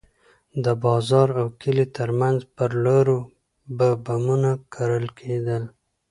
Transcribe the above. د بازار او کلي ترمنځ پر لارو به بمونه کرل کېدل.